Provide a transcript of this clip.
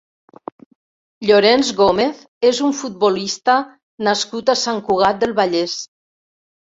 Llorenç Gomez és un futbolista nascut a Sant Cugat del Vallès.